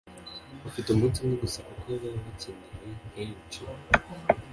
bafite umunsi umwe gusa kuko baba bakenewe henshi